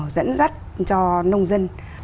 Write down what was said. dẫn dắt cho nông dân